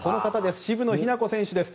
渋野日向子選手です。